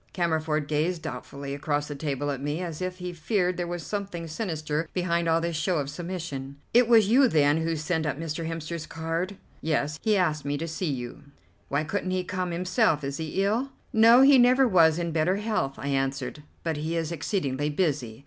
Cammerford gazed doubtfully across the table at me, as if he feared there was something sinister behind all this show of submission. "It was you, then, who sent up Mr. Hemster's card?" "Yes. He asked me to see you." "Why couldn't he come himself? Is he ill?" "No, he never was in better health," I answered; "but he is exceedingly busy.